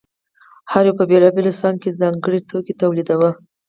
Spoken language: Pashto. هر یوه په بېلابېلو څانګو کې ځانګړی توکی تولیداوه